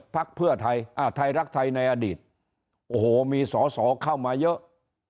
ภักดิ์เพื่อไทยอ่าไทยรักไทยในอดีตโอ้โหมีสอสอเข้ามาเยอะ